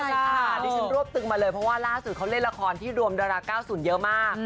ใช่ค่ะดิฉันรวบตึงมาเลยเพราะว่าล่าสุดเขาเล่นละครที่รวมดารา๙๐เยอะมาก